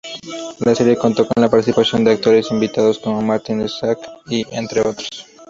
La serie contó con la participación de actores invitados como Martin Sacks, entre otros...